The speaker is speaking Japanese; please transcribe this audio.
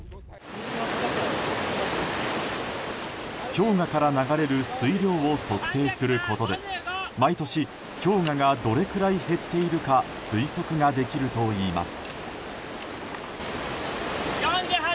氷河から流れる水量を測定することで毎年、氷河がどれくらい減っているか推測ができるといいます。